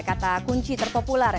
kata kunci terpopuler